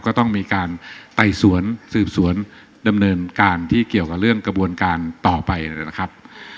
ก็ต้องมีการไต่สวนสืบสวนดำเนินการที่เกี่ยวกับเรื่องกระบวนการต่อไปนะครับ